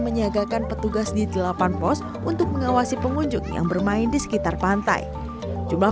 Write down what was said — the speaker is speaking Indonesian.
menyiagakan petugas di delapan pos untuk mengawasi pengunjung yang bermain di sekitar pantai jumlah